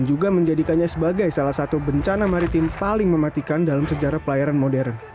dan juga menjadikannya sebagai salah satu bencana maritim paling mematikan dalam sejarah pelayaran modern